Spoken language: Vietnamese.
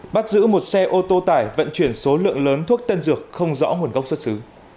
bắt giữ một xe ô tô tải vận chuyển số lượng lớn thuốc tân dược không rõ nguồn gốc xuất xứ